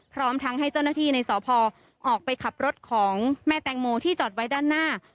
พร้อมทั้งให้เจ้าหน้าที่ในสพออกไปขับรถของแม่แตงโมที่จอดไว้ด้านหน้า